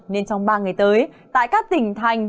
nên trong ba ngày tới tại các tỉnh thành